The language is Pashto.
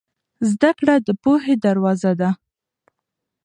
زده کړه د پوهې دروازه ده.